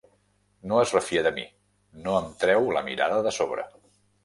No es refia de mi: no em treu la mirada de sobre.